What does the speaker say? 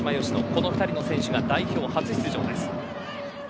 この２人の選手が代表初出場です。